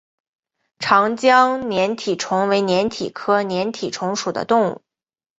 长江粘体虫为粘体科粘体虫属的动物。